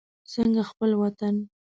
څنګه خپل وطن.